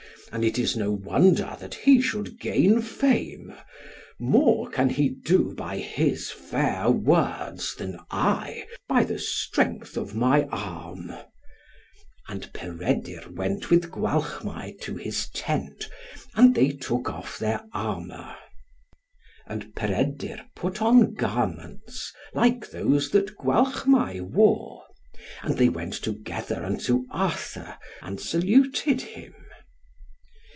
And it is no wonder that he should gain fame; more can he do by his fair words, than I by the strength of my arm." And Peredur went with Gwalchmai to his tent, and they took off their armour. And Peredur put on garments like those that Gwalchmai wore; and they went together unto Arthur, and saluted him.